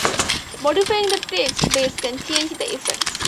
Modifying the tax base can change the effects.